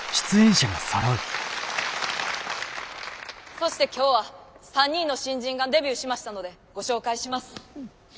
そして今日は３人の新人がデビューしましたのでご紹介します。